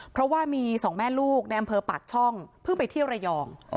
เพราะว่ามีสองแม่ลูกในอำเภอปากช่องเพิ่งไปเที่ยวระยอง